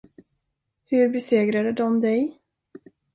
Hur besegrade de dig?